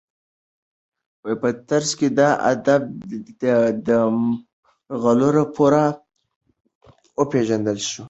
په ترڅ کي د ادب د مرغلرو پوره او پیژندل شوي